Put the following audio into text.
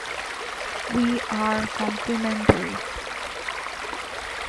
We are complementary.